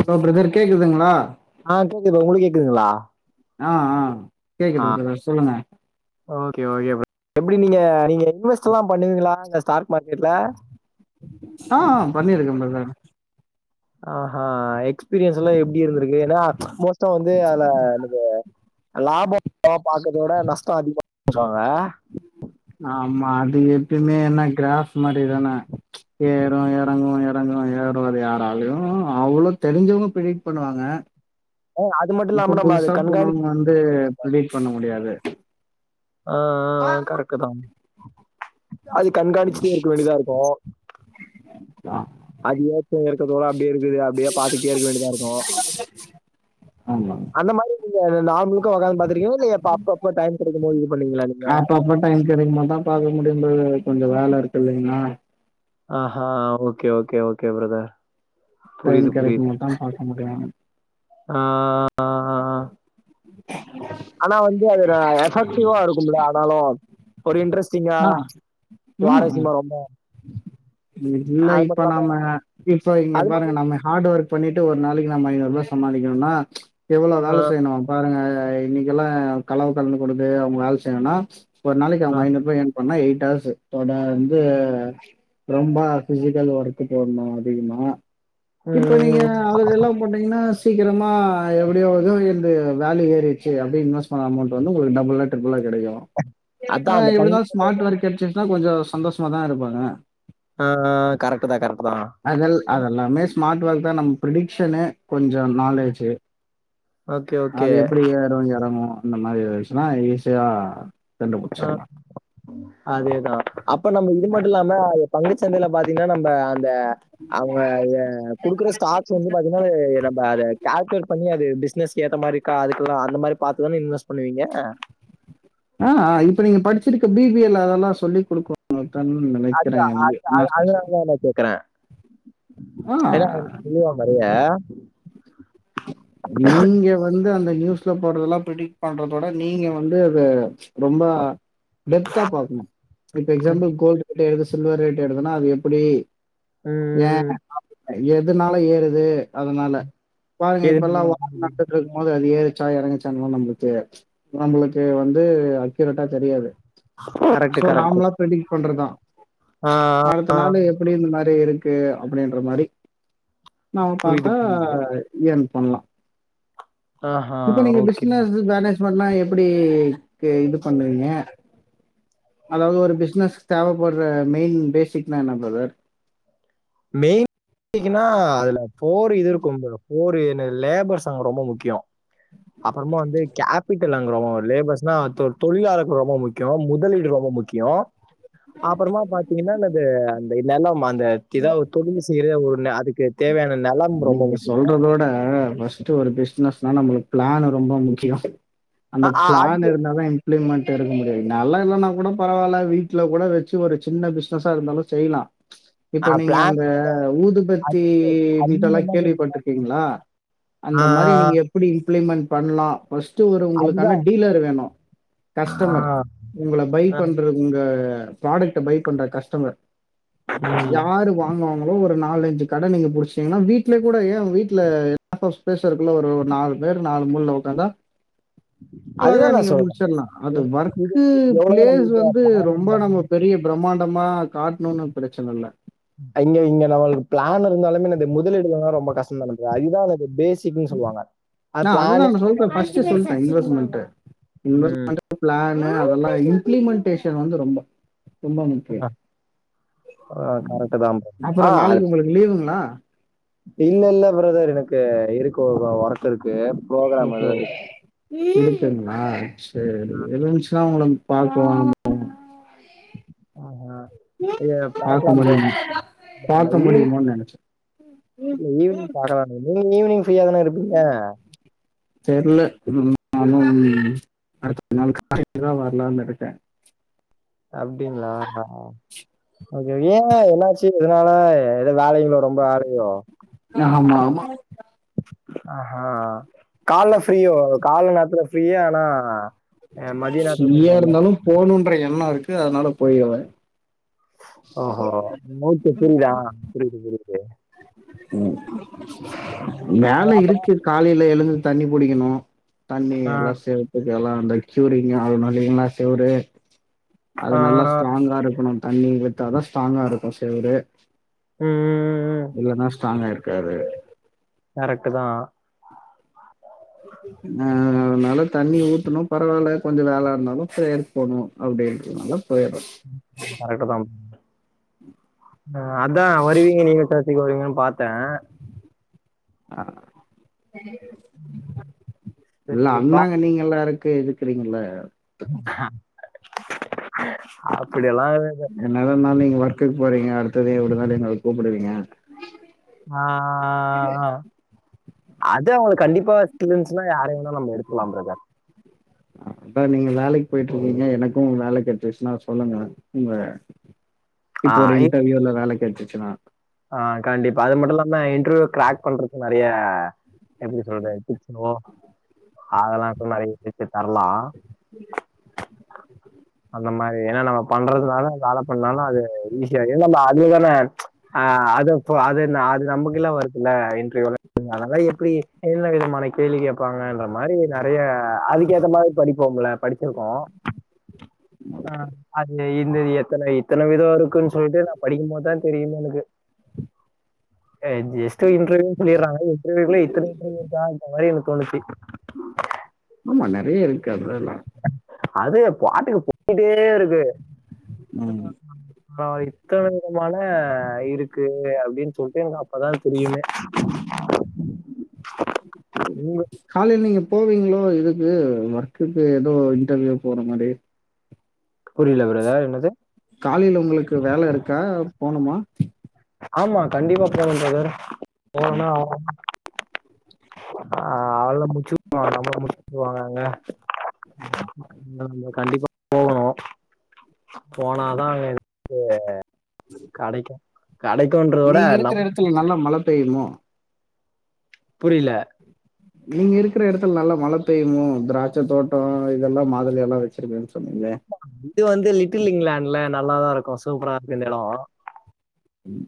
Allow brother கேக்குதுங்ளா ஆ கேக்குது ஒங்ளுக்கு கேக்குதுங்ளா ஆ ஆ கேக்குது பிரதர் சொல்லுங்க ஓகே ஓகே எப்டி நீங்க நீங்க இன்வெஸ்ட்ல்லா பண்ணுவீங்ளா இந்த ஸ்டார்க் மார்க்கெட்ல ஆ பண்ணருக்கே பிரதர் ஆ ஹா எக்ஸ்பீரியன்ஸ் எல்லா எப்டி இருந்திருக்கு ஏனா மோஸ்டா வந்து அல்ல எனக்கு லாபோ பாக்றதவுட நஷ்டோ அதிகோ சொல்லுவாங்க ஆமா அது எப்பய்மே என்ன க்ராஃப் மாரி தான ஏறு எறங்கு எறங்கு ஏ னுவாது யாராலயு அவ்ளோ தெரிஞ்சவங்க பிரிடிட் பண்ணுவாங்க [unintelligible] இப்ப நம்ம அது புதுசா போனவங்க கண்காணிச்சு வந்து பிரடிட் பண்ண முடியாது ஆ கரெக்ட தா அது கண்காணிச்சிட்டே இருக்க வேண்டியதா இருக்கூ ஆ அது ஏத்த எரக்கத்தோட அப்டியே இருக்குது அப்டியே பாத்துக்கிட்டே இருக்க வேண்டியதா இருக்கூ ஆமாங்க அந்த மாரி நீங்க நாள் முழுக்க ஒக்கந்து பாத்துட்ரிக்கிங்களா இல்ல எப்ப அப்பப்ப டைம் கெடைக்கும் போது இது பண்ணுவிங்ளா நீங்க அப்பப்ப டைம் கெடைக்குபோத்தா தா பாக்க முடியு ப்ரோ கொஞ்ச வேல இருக்கு இல்லைங்ளா ஆஹா okay okay okay brother time புரியுது, கெடைக்கும் புரியுது. போதா பாக்க முடியு ஆ [unintelligible] ஆனா வந்து அது எஃபெக்டிவா இருக்கும்ல ஆனாலு ஒரு இன்ட்ரஸ்டிங்கா ஆ ம் சுவாரஸ்ஸிமா ரொம்ப இல்ல அது மட்டு இப்ப இல்லாம நாம இப்ப இங்க அது மட்டு பாருங்க நம்ம ஹார்டு ஒர்க் பண்ணிட்டு ஒரு நாளைக்கு நம்ம ஐநூறுபா சம்பாரிக்குனுன்னா எவ்வளோ ஆ வேல செய்ணு பாருங்க இன்னைக்கெல்லா கலவ கலந்து கொடுத்து அவுங்க வே செய்னுனா ஒரு நாளைக்கு ஆ அவுங்க ஐநூறுபா எய் பண்ணா எயிட் ஹவர்ஸு தொடர்ந்து ரொம்ப ஃபிசிக்கல் ஒர்க் போட்ணு அதிகமா இப்ப நீங்க ம் அதெல்லாம் போட்டீங்ன்னா சீக்கிரமா எப்டியோ எதோ இருந்து வேல்யூ ஏறிட்ச்சு அப்டின் இன்வெஸ் பண்ண அமௌண்ட் வந்து உங்ளுக்கு டபுள்ளா ட்ரிப்புளா கெடைக்கூ அதா ஆ அந்த பங்கு எப்டினாலு ஸ்மார்ட் ஒர்க் கெடச்சிட்ச்சின்னா கொஞ்ச சந்தோஷமாதா இருப்பாங்க ஆ கரெக்ட் தா கரெக்ட் தா அதல் அதெல்லாமே ஸ்மார்ட் வொர்க் தா நம்ம ப்ரடிக்சனு கொஞ்சொ நாலேஜு ஓகே ஓகே அது எப்டி ஏறும் எறங்கும் இந்த மாதிரி இருன்சுன்னா ஈஸியா ஆ கண்டுபிடிச்சிடலாம். அதேதா அப்ப நம்ம இது மட்டுல்லாம பங்குச்சந்தையில பாத்தீங்ன்னா நம்ப அந்த அவ்ங்க குடுக்குற ஸ்டாக் ஸ் வந்து பாத்தீன்னா நம்ப அது கால்குலேட் பண்ணி அது பிஸ்னஸ்கு ஏத்த மாரிகா அதுக்லா அந்த மாரி பாத்துதா இன்வஸ் பண்ணுவீங்க ஆ இப்ப நீங்க படிச்சிருக்க பி பி எ ல அதெல்லா சொல்லி குடுக்குவா அது அது அது அதுதா மாஸ்டர்ஸ்ல. நா கேக்குற ஆ எல்லா அவரு [unintelligible] மாரியே நீங்க வந்து அந்த நியூஸ்ல போட்றதெல்லா பிரடிக்ட் பண்றதோட நீங்க வந்து அது ரொம்ப டெப்தா பாக்ணு இப்ப எக்ஸாம்பிள் கோல்டு் ரேட் ஏறுது சில்வர் ரேட் ஏறுதுன்னா அது எப்புடி ம் ஏன் எதுனால ஏறுது அதனால பாருங்க இப்ப ல்லா வார் நடந்துட்ருக்கு போது அது ஏறுச்சா எறங்குச்சான்ல்லா நம்புளுக்கு தெரியாது நம்மளுக்கு வந்து அக்யூரட்டா தெரியாது கரெக்ட் சோ கரெக்ட் நாம்ளா ப்ரெடிட் பண்றதா அடுத்த நாளு அப்டிந்த மாரி இருக்கு அப்டின்ற மாரி நாம புரியுது பாத்தா புரியுது. ஏன் பண்ணலா ஆஹா! இப்ப நீங்க ஓகே. பிஸ்னஸ் தான பண்ணா எப்டி இது பண்ணுவீங்க அதாவ்து ஒரு பிஸ்னஸ்க் தேவப்பட்ற மெயின் பேசிக் நா என்ன ப்ரதர் மெயின் [inaudible] னா அதுல ஃபோர் இது இருக்கும் ப்ரோ ஃபோர் என்ன லேபர்ஸ்ங்க ரொம்ப முக்கியோ அப்றமா வந்து கேப் பீட்டல்லங்ரோ லேபரஸ்னா தொ தொழிலாளர்கள் ரொம்ப முக்கியோ முதலீடு ரொம்ப முக்கியோ அப்பறமா பாத்தீங்கன்னா அந்த அந்த நெலம் அந்த எதவ தொழிலு த்ரேவூர்ண அதுக்கு தேவையான நெலொ நீங்க சொல்றதோட ஃபஸ் பஸ்டு ஒரு பிஸ்னஸ்னா நம்ளுக்கு பிளான் ரொம்ப முக்கிய அ அந்த அ அது பிளான் இருந்தாதா இப்ளிமெண்ட் இருக்க முடியாது நால்லா இல்லன்னா கூட பரவால்ல வீட்ல கூட வச்சி ஒரு சின்ன பிஸ்னஸா இருந்தாலு செய்லா [inaudible] இப்ப நீங்க பிளான் அந்த ஊதுபத்தி அது எல்லா கேள்விப்பட்ரிக்கீங்களா ஆ அந்த மாரி நீங்க எப்படி இம்ப்ளிமென்ட் பண்லா பஸ்ட்டு ஒரு அதுதான். உங்களுக்கான டீலர் வேணு ஆ, கஸ்டமர் உங்கள பை அ பண்றது உங்க ப்ராடக்ட பை பண்ற கஸ்டமர் ம். யாரு வா வாங்குவாங்களோ ஒரு நாலஞ்சு கட நீங்க புடிச் இல்லனா வீட்லயே கூட ஏ உங் வீட்ல லாட்ஆப் ஸ்பேஸ் இருக்கு இல்ல ஒரு நாலு பேர் நாலு மூல்ல உக்காந்தா அழகா அதுதான் நான் நீங்க சொல்றேன். முடிச்சிட்லா அது வந்து ஒர்க்கு எவ்வளவோ நம்மகிட்ட பிளேஸ் வந்து ரொம்ப நம்ம பெரிய பிரமாண்டமா காட்ணும்னு பிரச்சன இல்ல அங்க இங்க நம்மளுக்கு பிளான் இருந்தாலுமே என்னது முதலீடு இல்லாம ரொம்ப கஷ்ட்ந்தானே ப்ரோ அதுகுதா அத பேஸ் ஆ அதுதா நா சொல்ட்டே ந பஸ்ட் சொல்டே ம். இன்வெஸ்ட்மென்ட் பிளானூ அதெல்லா இம்ப்ளிமென்டேஷன் வந்து ரொம்ப ரொம்ப முக்கிய ஆ கரெக்ட்டு தான் ப்ரோ. அப்புற ஆ அது நாளைக்கு உங்களுக்கு லீவுங்களா இல்ல இல்ல பிரதர் எனக்கு இருக்கு ஒரு ஒர்க்கு இருக்கு ப்ரோகிராம் ஓஹோ எதோ இருக்கு. இருக்குங்ளா சேரி ம். இருந்சுன்னா ஒங்களுக்கு பாப்போ ஆ ஹ பாக்கலா பார்க்க ப்ரோ முடியும் அந்த பார்க்க ஊர் முடியுமோன்னு நினைச்சேன் இல்ல ஈவினிங் பாக்கலா ப்ரோ நீங்க ஈவினிங் ஃப்ரியா தானே இருப்பீங்க தெர்ல நானு அடுத்த நாள் காலலதா வர்லானு இருக்க அப்டிங்ளா ஓகேகே ஏ என்னாச்சு எதனால ஏதோ வேலயில ஒடம்பு அலயுதோ ஆமா ஆமா ஆஹா கால்ல ஃப்ரீயோ கால நேரத்துல ஃப்ரீயே ஆனா மதிய நேரத்துல ஃப்ரீயா கொஞ்சொ இருந்தாலும் போணுன்ற எண்ண இருக்கு அதனால போய்ருவே ஓஹோ [unintelligible] ப்ரீதா புரியுது புரியுது வேல இருக்கு காலயில எழுந்து தண்ணி புடிக்கணு தண்ணி ஆ, எல்லா சேத் ல்லாம் அந்த க்யூரிங் அது பாத்தீங்கனா செவுரு அது ஆ, நல்லா ஸ்ட்ராங்கா இருக்கணு தண்ணி விட்டாதா ஸ்ட்ராங்கா இருக்கு செவரு ம் ம் இல்லனா ஸ்ட்ராங்கா இருக்காது கரெக்டு தா ஆ நலத் தண்ணி ஊத்தணு பரவால்ல கொஞ்ச வேல இருந்தாலு பிரேயர் போகணும் அப்படின்றதுனால போயறது கரெக்டு தா அ அதா வருவீங்க நீங்க சர்சுக்கு வருவீங்கன்னு பாத்தே இல்ல சரிப்பா அண்ணாங்க நீங்க எல்லா இருக்க எதுக் இருக்கறீங்கல அப்படியெல்லாம் இல்ல. என்னதா இருந்தாலு நீங்க ஒர்க்குக்கு போறீங்க அடுத்ததையு எப்டி இருந்தாலு எங்கள கூப்பிடுவீங்க ஆ ஆ அது அவங்க கண்டிப்பா எக்ஸ்பீரியன்ஸ்னா யார வேணுனாலு நம்ப எடுக்கலா ப்ரதர் சார் நீங்க வேலைக்கு போயிட்டு இருக்கீங்க எனக்கும் வேல கெடச்சுச்சுன்னா சொல்லுங்க வே ஆ இப்ப ஒரு இ இன்டர்வியூல வேல கெட்சுச்சுனா ஆ கண்டிப்பா அது மட்டு இல்லாம இன்டர்வியூ கிராக் பண்றக்கு நெறய எப்டி சொல்ற டிப்சோ அதுலமாட்டி நெறய டிப்ஸ்ஸு தரலா அந்த மாரி ஏனா நம்ம பண்றதுனால வேல பண்ணாலு அது ஈஸியா ஏனா நம்ம அதுதான ஆ அது அப்ப அது அது நமக்கெல்லா வருதுல்ல இன்ட்ர்வியூல அதா எப்டி என்ன விதமான கேள்வி கேப்பாங்கன்ற மாரி நறைய அதுக்கேத்த மாரி படிப்போம்ல படிச்சிருக்கோ ஆ அது இந்தது எத்தன இத்தன விதோ இருக்குன் சொல்ட்டு நா படிக்கும்போதா தெரியுமே எனக் கு ஆ ஜஸ்ட் இன்ட்ர்வியூன் சொல்லிர்றாங்க இன்ட்ர்வியூக்குள்ள இத்தன இன்ட்ர்வூயூ இருக்கான்ற மாரி எனக்கு தோணிச்சி உம் ஆமா நறைய இருக்கு அதுலல்லா அது பாட்டுக்கு போயிட்டேருக்கு ம் ஆ இத்தன விதமான இருக்கு அப்டின் சொல்ட்டு எனக்கு அப்பதா தெரியுமே உங்க காலையில நீங்க போவீங்ளோ இதுக்கு ஒர்க்குக்கு எதோ இன்டர்வியூ போற மாரி புரில ப்ரதர் என்னது காலையில உங்குளுக்கு வேல இருக்கா போணுமா ஆமா கண்டிப்பா போணு ப்ரதர் ம் போணூனா ஆ அவ்ள முடிச்சு [inaudible] நம்மள முடிச்சு உட்ருவாங்க அங்க ம் கண்டிப்பா போவ்ணூ போனாதா [inaudible] கெடைக்கூ கெடைக்கூன்றத விட லப் நல்ல மழ பெய்யிமோ புரில நீங்க இருக்கிற எடத்துல நல்லா மழ பெய்யுமோ திராட்ச தோட்டோ இதெல்லா மாதுள எல்லா வச்சிருக்கேன் சொன்னீங்கே இது வந்து லிட்டில் இங்லாண்ட்ல நல்லாதா இருக்கூ சூப்பரா இருக்கூ இந்த எடோ ம்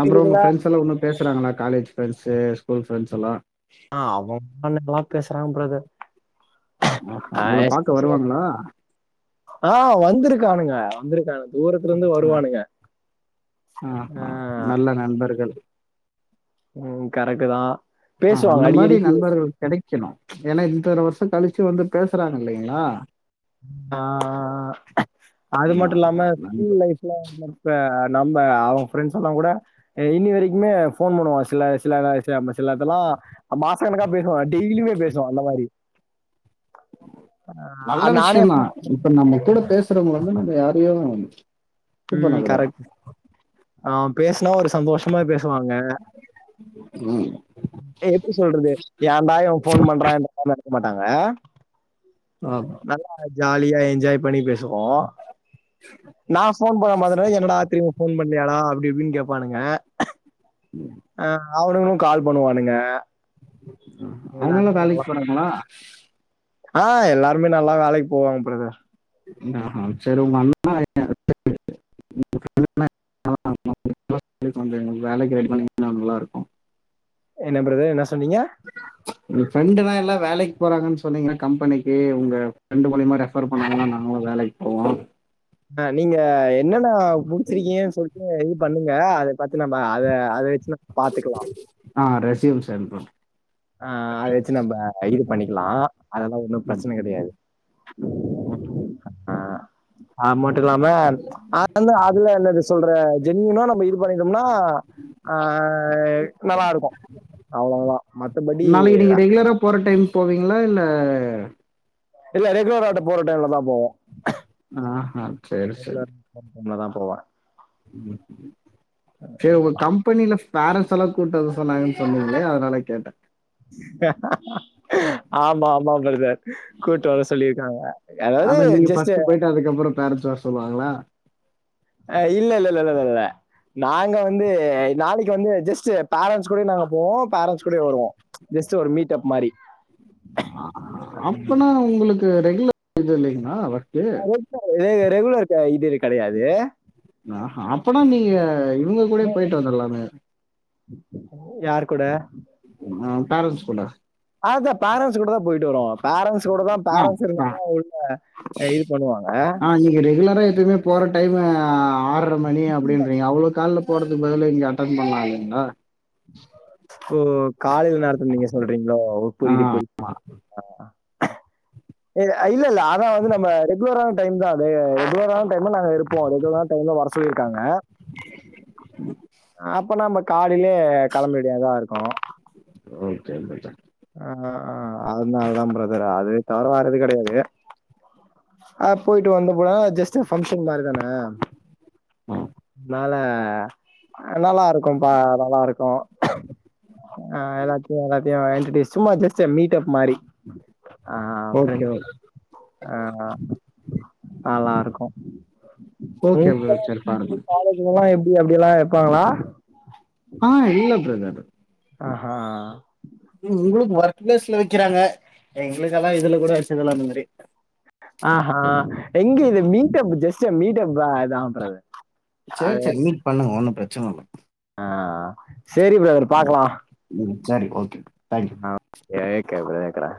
அப்றோ உங்க ஃப்ரெண்ட்ஸ்லா பேசுறாங்களா காலேஜ் ஃப்ரெண்ட்ஸ் ஸ்கூல் ஃப்ரெண்ட்ஸ் எல்லா ஆ அவம் [unintelligible] பேசுறா ப்ரதர் ஆஹா ஆ உங்கள பாக்க எஸ்பெஷலா வருவாங்களா ஆ வந்திருக்கானுங்க வந்திருக்கானுங்க தூரத்துலேந்து வருவானுங்க ஆ ல்ல நண்பர்கள் ம் கரெட்டு தா ஆ பேசுவாங்க அந்த மாரி அடிக்கடிக்கு நண்பர்கள் கெடைக் க்கிணூ ஏனா இத்தன வருஷோ கழிச்சு வந்து பேசுறாங்க இல்லைங்ளா ஆ அது ந மட்டு இல்லாம நண்ப ஸ்கூல் லைஃப்ல இப்ப நம்ம அவ ஃப்ரெண்ட்ஸ் எல்லா கூட இனி வரைக்குமே ஃபோன் பண்ணுவா சில சில செ சிலதுல்லா மாச கணக்கா பேசுவா டெய்லியுமே பேசுவா அந்த மாரி அ நல்ல நானே விஷ்யந்தா இப்ப நம்ம கூட பேசுறவங்க வந்து நம்ம யாரையோ ம் கரெக்ட் ஆ பேசுனா ஒரு சந்தோஷமா பேசுவாங்க ம். ஆ அ எப்டி சொல்றது ஏன்டா இவ ஃபோன் பண்றா [inaudible] எடுக்க மாட்டாங்க ஆ நல்லா ஜாலியா என்ஜாய் பண்ணி பேசுவோ கேட்கவில்லை நா ஃபோன் பண்ண மாதிரினா என்னடா திரும்பி ஃபோன் பண்ணியாடா அப்டிப்பின் கேப்பானுங்க ஆ அவனுங்கூ கால் பண்ணுவானுங்க அவுங்கலா எல்லாருமே வேலைக்கு போறாங்களா ஆ எல்லாருமே நல்லா வேலைக்கு போவாங்க ப்ரதர் ஆ செரி உங்க அண்ணா [inaudible] [unintelligible] கொஞ்ச எங்க வேலைக்கு ரெடி பண்ணிங்னா நல்லாருக்கு என்ன பிரதர் என்னா சொன்னீங்க உங் ஃபிரெண்டுதா எல்லா வேலைக் போறாங்கன் சொன்னீங்னா கம்பெனிக்கி உங்க ஃபிரெண்டு மூலிமா ரெஃபர் பண்ணாங்கனா நாங்ளு வேலைக் கேட்கவில்லை அ நீங்க என்னென்னா முடிச்சிருக்கீங்கன் சொல்ட்டு இது பண்ணுங்க அத பாத்து நம்ப அத அத வச் சின்ன பாத்துக்கலா ஆ ரெச்யூம் சென்ட் பன்ற ஆ அத வச்சு நம்ப இது பண்ணிக்கிலா அதல்லா ஒன்னும் பிரச்சன கெடையாது ம் அ ஆ அம் மட்டு இல்லாம ஆ அந்த அதுல என்னது சொல்ற ஜென்யுனா நம்ம இது பண்ணிட்டம்னா ஆ நல்லாருக்கு அ நாளைக்கு நீங்க ரெகுலரா போற டைம் போவீங்ளா இல்ல இல்ல ரெகுலராட்ட போற டைம்லதா போவோ அ ஆ சேரி சேரி [unintelligible] டைம்லதா போவே ம் ம் சே ஒங் கம் பெனில பேரன்ட்ஸ் எலா கூட்டு வர சொன்னாங்கன் சொன்னிங்லே அதனால கேட்டே ஆமா மா பிரதர் கூட்டு வர சொல்லிருக்காங்க அதாவது ஜஸ்டே ட்டு அதுக்கப்புற பேரன்ட்ஸ் வர சொல்வாங்ளா அ இல்லல்லல்லலல நாங்க வந்து நாளைக்கு வந்து ஜஸ்ட்டு பேரன்ட்ஸ் கூடையு நாங்க போவோ பேரன்ட்ஸ் கூடை வருவோ ஜஸ்ட்டு ஒரு மீட்டப் மாரி ஆ ஆ அப்பனா உங்களுக்கு ரெகுலர் எது இல்லைங்ளா ஒர்க்கு இது ரெகுலர் க இதுரு கெடையாது ஆஹா அப்பனா நீங்க இவுங்க கூடயே போய்ட்டு வந்தல்லாமே யார் கூட ஆஹ் பேரண்ட்ஸ் கூட அதா பேரண்ட்ஸ் கூட தா போய்ட்டு வறோ ஃபேரன்ட்ஸ் கூட தான் பேரன்ட்ஸ் [inaudible] உள்ள இது பண்ணுவாங்க ஆஹ் நீங்க ரெகுலரா எப்பயுமே போற டைமு ஆர மணி அப்படினு றீங்க அவ்ளோ கால்ல போறதுக்கு பதுலா இங்க அட்டன் பண்லா இல்லைங்களா ஓ காலைல நேரத்துல நீங்க சொல்றீங்களோ ஓ ஆ புரிது புரி ஆ எ இல்ல இல்ல அதாவது நம்ம ரெகுலரான டைம் தா அது ரெகுலரான டைம்ல நாங்க இருப் போ ரெகுலரா டைம்ல வர சொல்லிருக்காங்க அப்ப நாம காலைலியே களம்ப வேண்டியதா இருக்கு ஓகே பிரதர். ஆஹ் அதனாலதாம் பிரதர் அது தவற வேற எது கடயாது ஆ போயிட்டு வந்து கூட ஜஸ்ட்டு ஃபங்க்ஷன் மாரி தான ஆஹ் ஆ மேல நல்லா இருக்கும் பா நல்லா இருக்கு ஆஹ் எல்லாத்தையு எல்லாத்தையு இன்டடியூஸ் சும்மா ஜாஸ்ட்டு மீட்டப் மாரி ஆஹ் ஓகே, ஓகே. [unintelligible] ஆஹ் நல்லாருக்கு ஓகே பிரத சேரி பாருங்க இவங்கல்லா எப்டி அப்டில்லா இருப்பாங்களா ஆ இல்ல பிரதர் அஹா உங்குளுக்கு ஒர்க் ப்ளஸ்ல வக்கிறாங்க எங்களுக்கெல்லா இதுல கூட வச்சதல்ல அந்த மாரி ஆஹ எங்க இது மீட்டப் ஜஸ்ட்டு மீட்டப்பாதா பிரதர் சேரி அது சேரி மீட் பண்ணுங்க ஒன்னு பிரச்சன இல்ல ஆ சேரி பிரதர் ம் பாக்கலா ம், சரி ஓகே தேங்க்யூ ஆ ஏக்கர் ஒரு ஏக்கரா